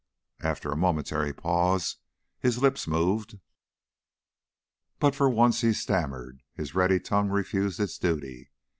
After a momentary pause his lips moved, but for once he stammered, his ready tongue refused its duty.